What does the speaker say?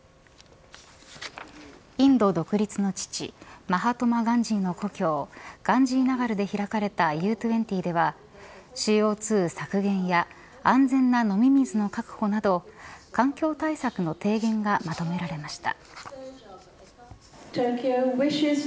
インド独立の父マハトマ・ガンジーの故郷ガンジーナガルで開かれたＵ２０ではＣＯ２削減や安全な飲み水の確保など環境対策の提言がまとめられました。